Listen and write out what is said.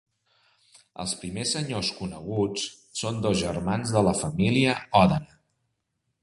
Els primers senyors coneguts són dos germans de la família Òdena.